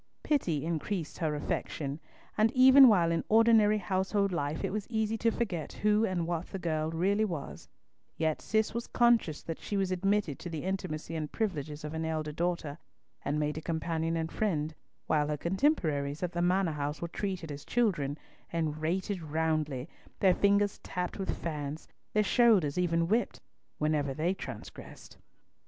Pity increased her affection, and even while in ordinary household life it was easy to forget who and what the girl really was, yet Cis was conscious that she was admitted to the intimacy and privileges of an elder daughter, and made a companion and friend, while her contemporaries at the Manor house were treated as children, and rated roundly, their fingers tapped with fans, their shoulders even whipped, whenever they transgressed.